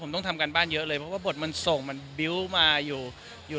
ผมต้องทำการบ้านเยอะเลยเพราะว่าบทมันส่งมันบิ้วต์มาอยู่อยู่